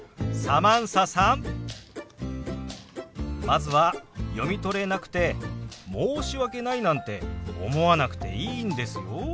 まずは読み取れなくて申し訳ないなんて思わなくていいんですよ。